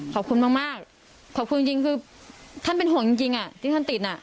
ขอบคุณมากขอบคุณจริงคือท่านเป็นห่วงจริงที่ท่านติดน่ะ